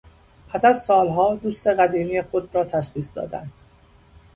پس از سالها دوست قدیمی خود را تشخیص دادن